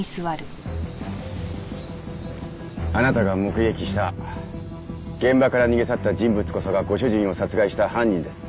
あなたが目撃した現場から逃げ去った人物こそがご主人を殺害した犯人です。